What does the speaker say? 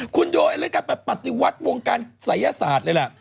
คุณโดยการไปปฏิวัติวงการศัยศาสตร์เลยล่ะ